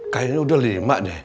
kayaknya udah lima deh